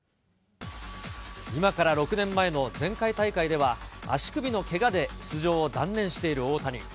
今から６年前の前回大会では、足首のけがで出場を断念している大谷。